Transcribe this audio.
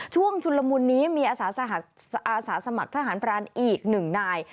ชุนละมุนนี้มีอาสาสมัครทหารพรานอีกหนึ่งนาย